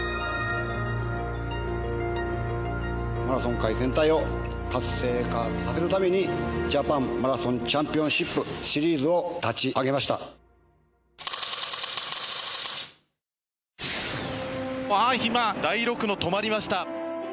マラソン界全体を活性化させるためにジャパンマラソンチャンピオンシップシリーズを立ち上げました。